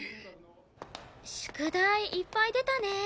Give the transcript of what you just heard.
宿題いっぱい出たね。